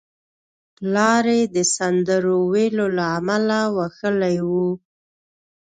پلار یې د سندرو ویلو له امله وهلی و